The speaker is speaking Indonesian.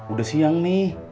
udah siang nih